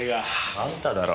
あんただろ。